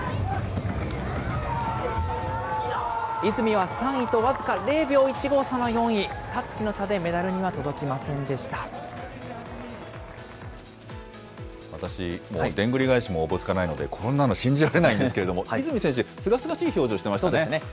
泉は３位と僅か０秒１５差の４位、タッチの差でメダルには届きませ私、もうでんぐり返しもおぼつかないので、こんなの信じられないんですけれども、泉選手、すがすがしい表情していましたね。